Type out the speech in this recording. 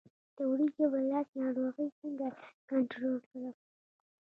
د وریجو بلاست ناروغي څنګه کنټرول کړم؟